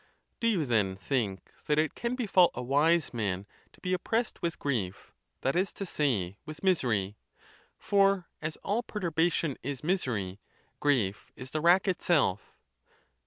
Do you, then, think that it can befall a wise man to be oppressed with grief, that is to say, with misery? for, as all perturbation is misery, grief is the rack itself.